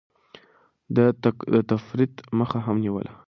ده د تفريط مخه هم نيوله.